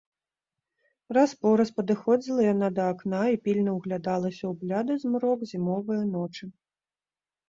Раз-пораз падыходзіла яна да акна і пільна ўглядалася ў бляды змрок зімовае ночы.